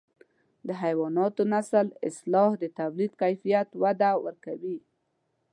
د حیواناتو نسل اصلاح د توليد کیفیت ته وده ورکوي.